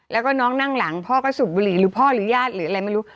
แล้วก็น้องนั่งหลังพ่อก็สูบบุหรี่หรือพ่อหรือญาติหรืออะไรไม่รู้